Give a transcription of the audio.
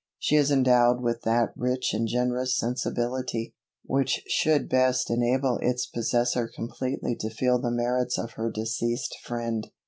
She is endowed with that rich and generous sensibility, which should best enable its possessor completely to feel the merits of her deceased friend.